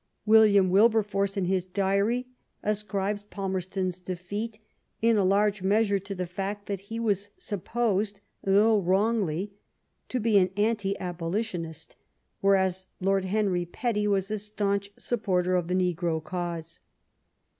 William Wilberforce, in his diary, ascribes Palmer ston's defeat in a great measure to the fact that he was supposed, though wrongly, to be an Anti Abolitionist, whereas Lord Henry Petty was a staunch supporter of the negro cause.